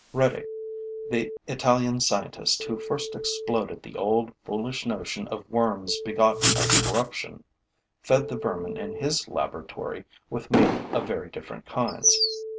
Redi, the Italian scientist who first exploded the old, foolish notion of worms begotten of corruption, fed the vermin in his laboratory with meat of very different kinds.